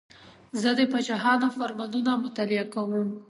زه د پاچاهانو فرمانونه مطالعه کوم.